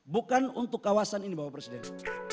bukan untuk kawasan ini bapak presiden